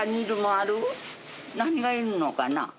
何がいるのかな？